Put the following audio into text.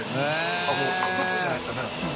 もうひとつじゃないとダメなんですか